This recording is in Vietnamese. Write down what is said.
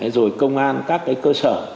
rồi công an các cái cơ sở